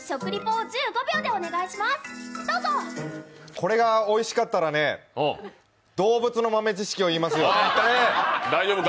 これがおいしかったらね、動物の豆知識を言います。